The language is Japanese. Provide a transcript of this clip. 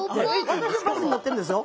私はバスに乗ってんですよ。